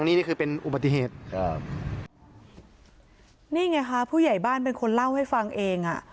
นี่ไงค่ะผู้ใหญ่บ้านเป็นคนเล่าให้ฟังเอง